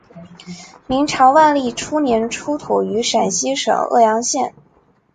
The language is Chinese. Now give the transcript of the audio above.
明朝万历初年出土于陕西省郃阳县。